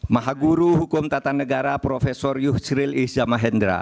mahaguru hukum tata negara prof yusril izzama hendra